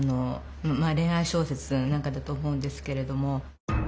まあれん愛小説なんかだと思うんですけれども。